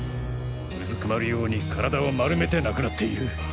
うずくまるように体を丸めて亡くなっている。